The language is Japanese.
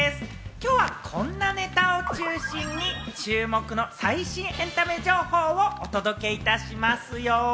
きょうはこんなネタを中心に注目の最新エンタメ情報をお届けいたしますよ。